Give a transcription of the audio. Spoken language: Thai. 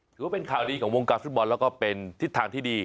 ถือว่าเป็นข่าวดีของวงการฟุตบอลแล้วก็เป็นทิศทางที่ดี